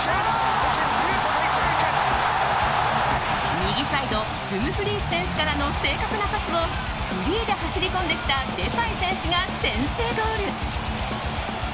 右サイドダンフリース選手からの正確なパスをフリーで走りこんできたデパイ選手が先制ゴール。